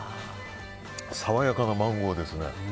爽やかなマンゴーですね。